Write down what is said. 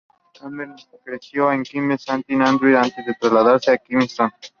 Campbell creció en Kintyre, Saint Andrew antes de trasladarse a Kingston.